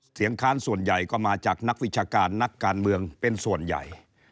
ค้านส่วนใหญ่ก็มาจากนักวิชาการนักการเมืองเป็นส่วนใหญ่